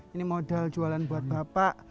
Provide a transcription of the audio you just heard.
ini modal jualan buat bapak